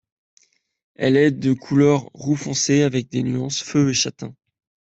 Elle est de couleur roux foncé avec des nuances feu et châtain.